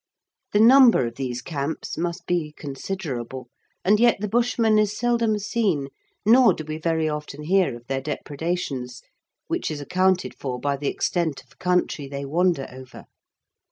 The number of these "camps" must be considerable, and yet the Bushman is seldom seen, nor do we very often hear of their depredations, which is accounted for by the extent of country they wander over.